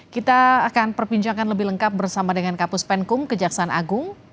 kita akan perbincangan lebih lengkap bersama dengan kapus penkum kejaksaan agung